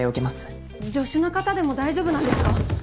助手の方でも大丈夫なんですか？